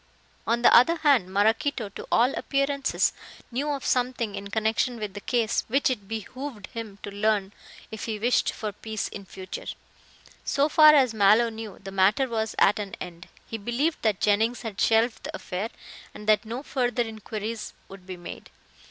On the other hand, Maraquito, to all appearances, knew of something in connection with the case which it behooved him to learn if he wished for peace in the future. So far as Mallow knew, the matter was at an end. He believed that Jennings had shelved the affair, and that no further inquiries would be made.